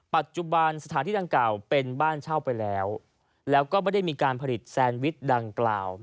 ปัจจุบันสถานที่ดังกล่าวเป็นบ้านเช่าไปแล้วแล้วก็ไม่ได้มีการผลิตแซนวิชดังกล่าว